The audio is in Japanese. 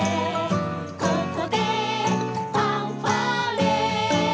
「ここでファンファーレ」